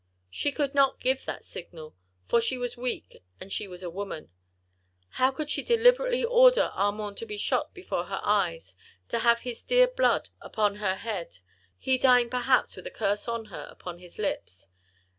She could not give that signal—for she was weak, and she was a woman. How could she deliberately order Armand to be shot before her eyes, to have his dear blood upon her head, he dying perhaps with a curse on her, upon his lips.